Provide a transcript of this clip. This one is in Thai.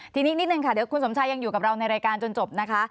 ทีนี้นิดนึงค่ะเดี๋ยวคุณสมชายยังอยู่กับเราในรายการจนจบนะคะ